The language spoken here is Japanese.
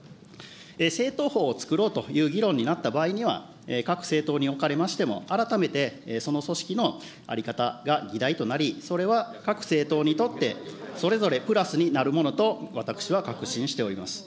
政党法を作ろうという議論になった場合には、各政党におかれましても、改めてその組織の在り方が議題となり、それは各政党にとって、それぞれプラスになるものと私は確信しております。